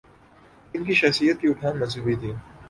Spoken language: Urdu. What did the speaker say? ان کی شخصیت کی اٹھان مذہبی تھی۔